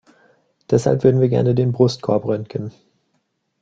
Deshalb würden wir gerne den Brustkorb röntgen.